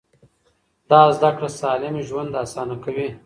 دا زده کړه سالم ژوند اسانه کوي.